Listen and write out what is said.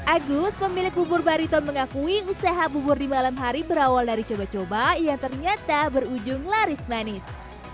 agus pemilik bubur barito mengakui usaha bubur di malam hari berawal dari coba coba yang ternyata berujung laris manis